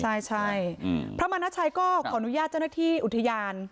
ใช่พระมณชัยก็ขออนุญาตเจ้าหน้าที่อุทยาน